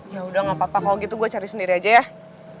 yaudah nggak apa apa kalo gitu gue cari sendiri aja ya